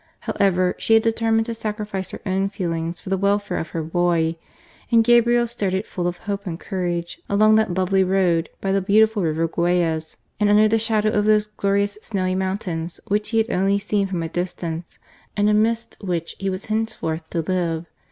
But she had determined to sacrifice her own feelings for the welfare of her boy, and Gabriel started full of hope and courage along that lovely road, by the beautiful river Guayas and under the shadow of those glorious snowy mountains which he had only seen from a distance, and amidst which he was henceforth to live.